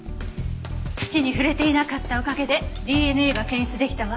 土に触れていなかったおかげでＤＮＡが検出出来たわ。